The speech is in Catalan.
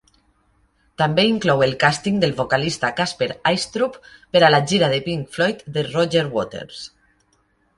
També inclou el càsting del vocalista Kasper Eistrup per a la gira de Pink Floyd de Roger Waters.